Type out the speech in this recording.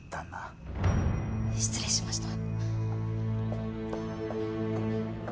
失礼しました。